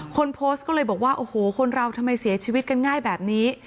คนโพสต์ก็เลยบอกว่าโอ้โหคนเราทำไมเสียชีวิตกันง่ายแบบนี้